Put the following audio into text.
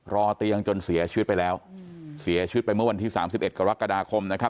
รอเตียงจนเสียชีวิตไปแล้วเสียชีวิตไปเมื่อวันที่๓๑กรกฎาคมนะครับ